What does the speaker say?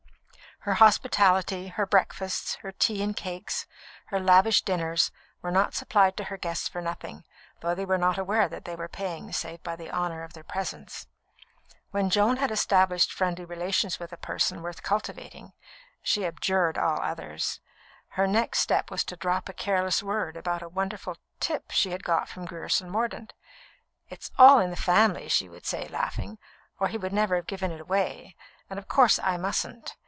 Her hospitality, her breakfasts, her tea and cakes, her lavish dinners, were not supplied to her guests for nothing, though they were not aware that they were paying save by the honour of their presence. When Joan had established friendly relations with a person worth cultivating (she abjured all others), her next step was to drop a careless word about a wonderful "tip" she had got from Grierson Mordaunt. "It's all in the family," she would say, laughing, "or he would never have given it away; and, of course, I mustn't.